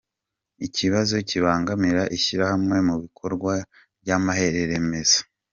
Ni ikibazo kibangamira ishyirwa mu bikorwa ry’amahame remezo.